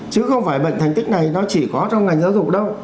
chứ không phải bệnh thành tích này nó chỉ có trong ngành giáo dục đâu